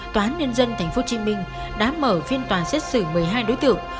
tòa án nhân dân tp hcm đã mở phiên tòa xét xử một mươi hai đối tượng